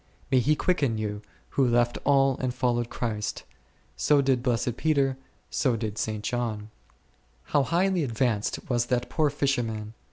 May he quicken you, who left all and followed Christ! so did blessed Peter, so did St. John. How highly advanced was that poor fisherman